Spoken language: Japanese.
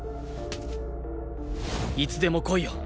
いつでも来いよ。